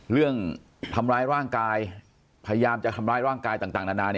เรื่องทำร้ายร่างกายพยายามจะทำร้ายร่างกายต่างนานา